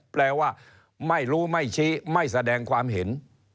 แปลว่าไม่รู้ไม่ชี้ไม่แสดงความเห็น